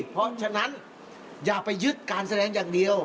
เพราะฉะนั้นอย่าไปยึดการแสดงอย่างเดียว